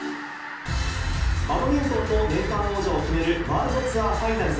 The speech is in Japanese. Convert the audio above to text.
バドミントンの年間王者を決めるワールドツアーファイナルズ。